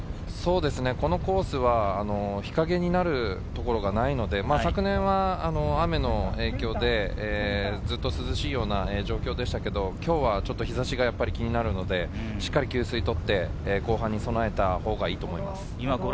このコースは日陰になるところがないので、昨年は雨の影響でずっと涼しい状況でしたけれど、今日は日差しが気になるのでしっかり給水を取って後半に備えたほうがいいと思います。